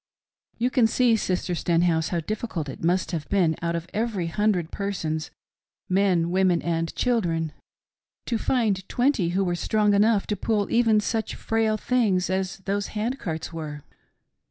You can see. Sister Stenhouse, how difficult it must have been out of every hundred persons — men, women, and children — to find twenty who were strong enough to pull even such frail things as those hand carts were.